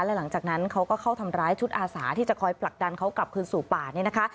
และหลังจากนั้นเขาก็เข้าทำร้ายชุดอาสาที่จะคอยผลักดันเขากลับคืนสู่ป่านี่นะคะ